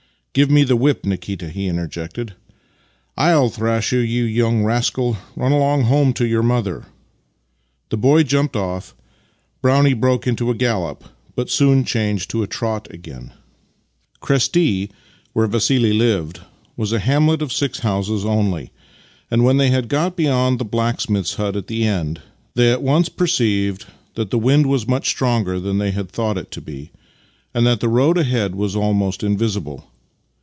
(" Give me the whip, Nikita! " he interjected). " Fll thrash you, you young rascal! Run along home to your mother! " The boy jumped off. Brownie broke into a gallop, but soon changed to a trot again. lo Master and Man Kresti, where Vassili lived, was a hamlet of six houses only, and when they had got be^ ond the black smith's hut at the end they at once perceived that the wind was much stronger than they had thought it to be, and that the road ahead was almost invisible.